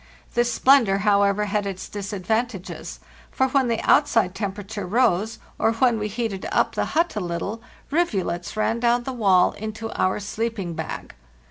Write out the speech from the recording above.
This splendor, however, had its disadvantages, for when the outside temperature rose, or when we heat 436 FARTHEST NORTH ed up the hut a little, rivulets ran down the wall into our sleeping bag.